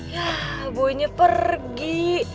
yah boynya pergi